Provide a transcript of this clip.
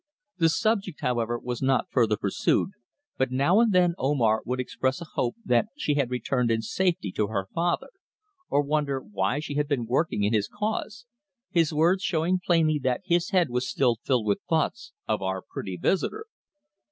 The subject, however, was not further pursued, but now and then Omar would express a hope that she had returned in safety to her father, or wonder why she had been working in his cause, his words showing plainly that his head was still filled with thoughts of our pretty visitor.